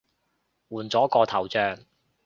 換咗個頭像